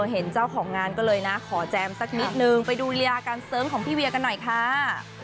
เห็นเจ้าของงานก็เลยนะขอแจมสักนิดนึงไปดูลีลาการเสิร์งของพี่เวียกันหน่อยค่ะ